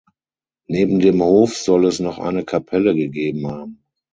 Neben dem Hof soll es noch eine Kapelle gegeben haben.